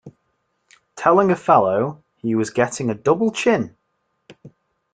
Telling a fellow he was getting a double chin!